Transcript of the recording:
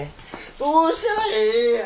どうしたらええんや！